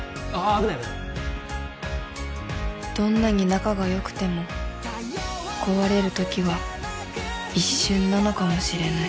危ないどんなに仲がよくても壊れるときは一瞬なのかもしれない